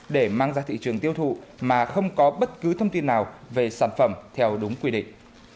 để mang ra thị trường tiêu thụ mà không có bất cứ thông tin nào về sản phẩm theo đúng quy định